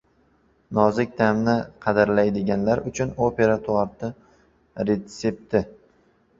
Nozik ta’mni qadrlaydiganlar uchun: Opera torti retsepti